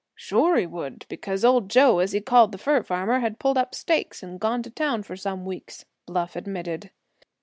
"Sure he would, because Old Joe, as he called the fur farmer, had pulled up stakes and gone to town for some weeks," Bluff admitted.